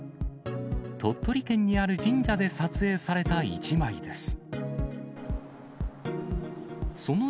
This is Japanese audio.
鳥取県にある神社で撮影された一枚です。